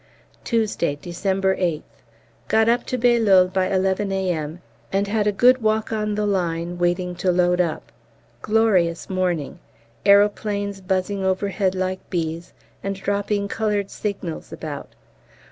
Tuesday, December 8th. Got up to Bailleul by 11 A.M., and had a good walk on the line waiting to load up. Glorious morning. Aeroplanes buzzing overhead like bees, and dropping coloured signals about.